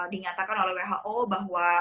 dinyatakan oleh who bahwa